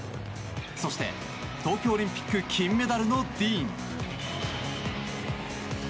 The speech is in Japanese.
そして東京オリンピック金メダルのディーン。